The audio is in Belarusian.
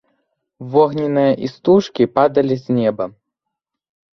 Вогненныя істужкі падалі з неба.